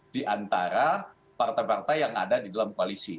diantara partai partai yang ada di dalam koalisi